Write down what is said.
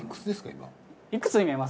今。